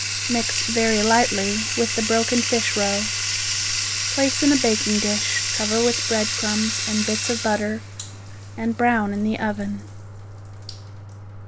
Mix very lightly with the broken fish roe. Place in a baking dish, cover with bread crumbs and bits of butter, and brown in the oven.